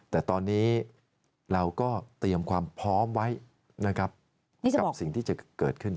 แต่ตอนนี้เราก็เตรียมความพร้อมไว้นะครับกับสิ่งที่จะเกิดขึ้น